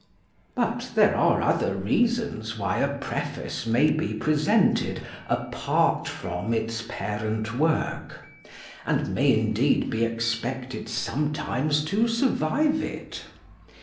But there are other reasons why a Preface may be presented apart from its parent work, and may, indeed, be expected sometimes to survive it.